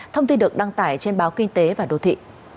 thông tin được đăng tải trên báo kinh tế và đô thị